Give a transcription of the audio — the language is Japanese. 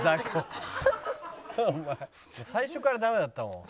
最初からダメだったもん。